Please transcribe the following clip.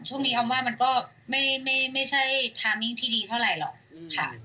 ช่วงนี้อ้อมว่ามันก็ไม่ใช่เทอร์เทอมนิ่งที่ดีเท่าไรหรอกค่ะ